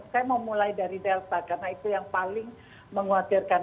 karena itu yang paling menguatirkan